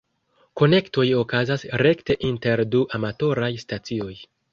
Konektoj okazas rekte inter du amatoraj stacioj.